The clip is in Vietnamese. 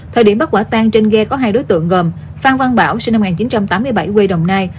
thời điểm bắt quả tan trên ghe có hai đối tượng gồm phan văn bảo sinh năm một nghìn chín trăm tám mươi bảy quê đồng nai